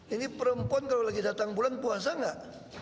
ini perempuan kalau lagi datang bulan puasa nggak